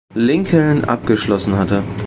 Lincoln" abgeschlossen hatte.